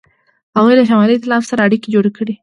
هغوی له شمالي ایتلاف سره اړیکې جوړې کړې.